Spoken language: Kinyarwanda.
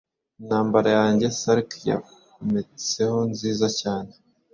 Intambara yanjye-sark yometsehonziza cyane